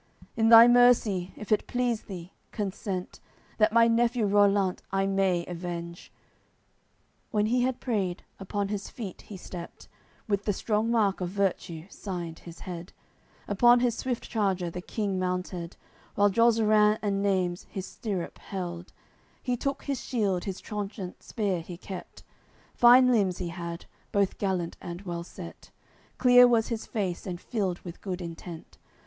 In Thy Mercy, if it please Thee, consent That my nephew Rollant I may avenge. When he had prayed, upon his feet he stepped, With the strong mark of virtue signed his head; Upon his swift charger the King mounted While Jozerans and Neimes his stirrup held; He took his shield, his trenchant spear he kept; Fine limbs he had, both gallant and well set; Clear was his face and filled with good intent.